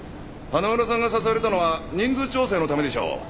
花村さんが誘われたのは人数調整のためでしょう。